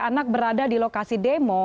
anak berada di lokasi demo